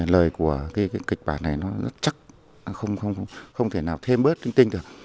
lời của cái kịch bản này nó rất chắc không thể nào thêm bớt những tinh được